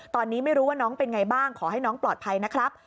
ตอนนี้ไม่รู้ว่าน้องเป็นไงบ้างขอให้น้องปลอดภัยนะครับ